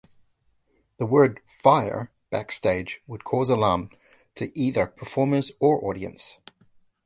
The word "fire" backstage would cause alarm to either performers or audience.